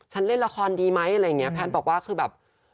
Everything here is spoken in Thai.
เล่นละครดีไหมอะไรอย่างเงี้แพทย์บอกว่าคือแบบ